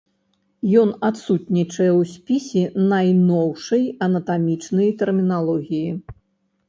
Ён адсутнічае ў спісе найноўшай анатамічнай тэрміналогіі.